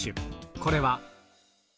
これは。